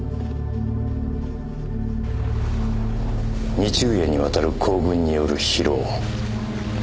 ２昼夜にわたる行軍による疲労。